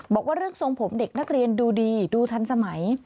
บอกว่าเรื่องทรงผมเด็กนักเรียนดูดีดูทันสมัย